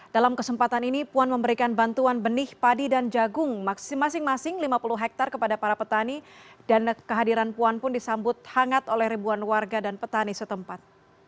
dalam kesempatan ini puan memberikan bantuan benih padi dan jagung masing masing lima puluh hektare kepada para petani dan kehadiran puan pun disambut hangat oleh ribuan warga dan petani setempat